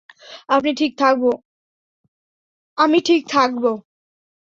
আমি ঠিক থাকবো।